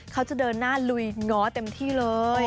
เขาจะเดินหน้าลุยง้อเต็มที่เลย